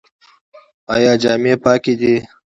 ایا جامې یې پاکې دي؟